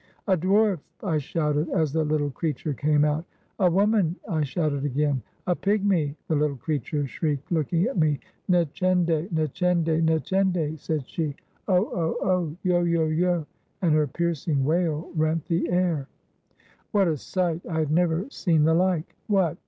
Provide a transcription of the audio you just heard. "A dwarf!" I shouted, as the little creature came out. "A woman!" I shouted again — "a pygmy!" The Httle creature shrieked, looking at me. " Nchende ! nchendc I nchende !" said she. ''Oh! oh! oh! Yo ! yo ! yo !" and her piercing wail rent the air. What a sight! I had never seen the like. "What!"